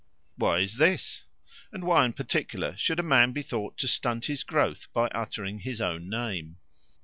Why is this? and why in particular should a man be thought to stunt his growth by uttering his own name?